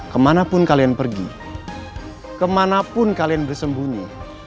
kemanapun kalian pergi kemanapun kalian bersembunyi